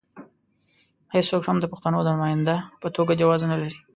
هېڅوک هم د پښتنو د نماینده په توګه جواز نه لري.